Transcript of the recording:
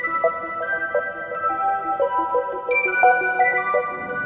aku mau ke rumah